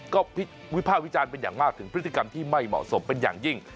ก็วิภาควิจารณ์เป็นอย่างมากถึงพฤติกรรมที่ไม่เหมาะสมเป็นอย่างยิ่ง